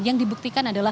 yang dibuktikan adalah